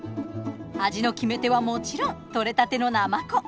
味の決め手はもちろんとれたてのナマコ。